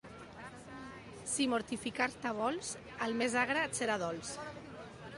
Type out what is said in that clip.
Si mortificar-te vols, el més agre et serà dolç.